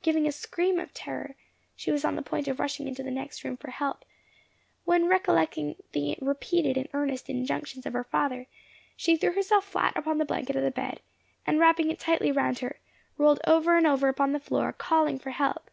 Giving a scream of terror, she was on the point of rushing into the next room for help, when recollecting the repeated and earnest injunctions of her father, she threw herself flat upon the blanket of the bed, and wrapping it tightly round her, rolled over and over upon the floor, calling for help.